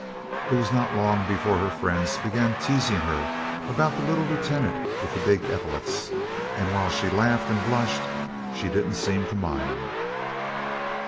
It was not long before her friends began teasing her about "the little lieutenant with the big epaulets" and while she laughed and blushed she didn't seem to mind.